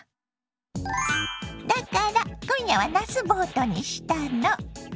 だから今夜はなすボートにしたの。